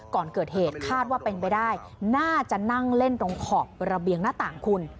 ก่อนเกิดเหตุคาดว่าเป็นไปได้น่าจะนั่งเล่นตรงขอบระเบียงหน้าต่างคุณ